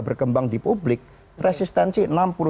berkembang di publik resistensi